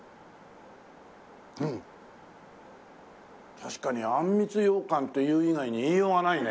確かにあんみつ羊かんと言う以外に言いようがないね。